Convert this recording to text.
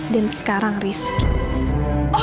dan sekarang rizky